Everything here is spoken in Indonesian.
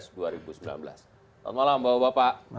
selamat malam bapak bapak